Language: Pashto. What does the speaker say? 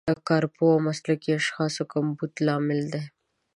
د کارپوه او مسلکي اشخاصو کمبود لامل دی.